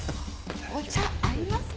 お茶合いますね。